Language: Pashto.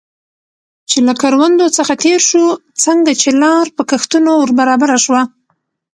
چې له کروندو څخه تېر شو، څنګه چې لار په کښتونو ور برابره شوه.